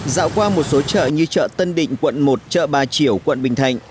dạo qua một số chợ như chợ tân định quận một chợ ba triều quận bình thạnh